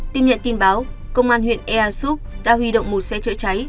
tìm nhận tin báo công an huyện ea súp đã huy động một xe chở cháy